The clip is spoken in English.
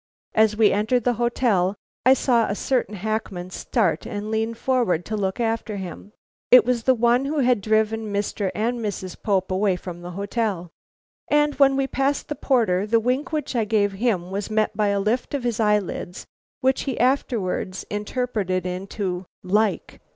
As we entered the hotel, I saw a certain hackman start and lean forward to look after him. It was the one who had driven Mr. and Mrs. Pope away from the hotel. And when we passed the porter, the wink which I gave him was met by a lift of his eyelids which he afterwards interpreted into 'Like!